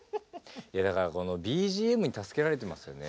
いやだからこのＢＧＭに助けられてますよね。